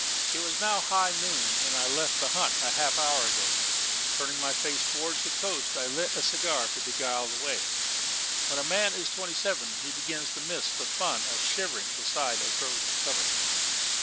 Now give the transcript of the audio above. It was now high noon, and I had left the hunt half an hour ago, turned my face towards the coast, and lit a cigar to beguile the way. When a man is twenty seven he begins to miss the fun of shivering beside a frozen cover.